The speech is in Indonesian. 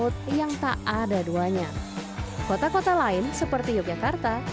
semuanya seru ya